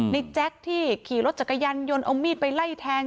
แจ๊คที่ขี่รถจักรยานยนต์เอามีดไปไล่แทง